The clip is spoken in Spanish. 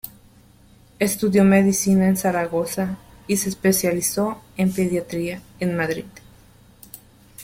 Estudió medicina en Zaragoza y se especializó en pediatría en Madrid.